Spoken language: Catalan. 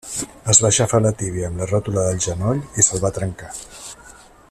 Es va aixafar la tíbia amb la ròtula del genoll i se'l va trencar.